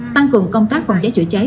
tăng cường công tác phòng cháy chữa cháy